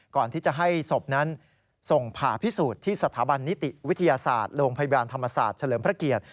ก่อนที่จะให้ศพนั้นส่งผ่าพิสูจน์ที่สถาบันนิติวิทยาศาสตร์โรงพยาบาลธรรมศาสตร์เฉลิมพระเกียรติ